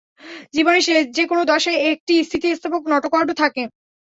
জীবনের যে কোন দশায় একটি স্থিতিস্থাপক নটোকর্ড থাকে।